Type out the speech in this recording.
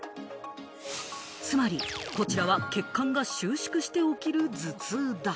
つまり、こちらは血管が収縮して起きる頭痛だ。